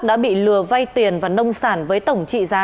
đã bị lừa vay tiền và nông sản với tổng trị giá